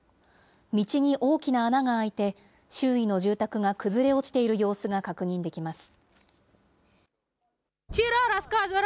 道に大きな穴が開いて、周囲の住宅が崩れ落ちている様子が確認できます。